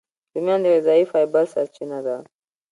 رومیان د غذایي فایبر سرچینه ده